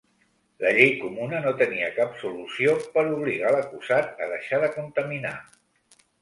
La llei comuna no tenia cap solució per obligar l'acusat a deixar de contaminar.